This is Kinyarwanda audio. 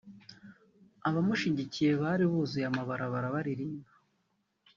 Abamushigikiye bari buzuye amabarabara baririmba